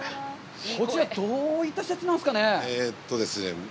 こちら、どういった施設なんですかね。